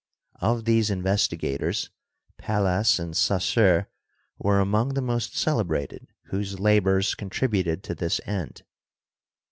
Of these investigators, Pallas and Saussure were among the most celebrated whose labors contributed to this end.